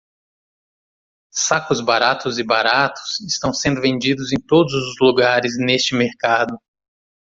Sacos baratos e baratos estão sendo vendidos em todos os lugares neste mercado.